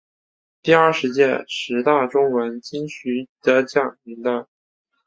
第二十届十大中文金曲得奖名单